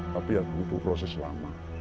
tapi itu proses lama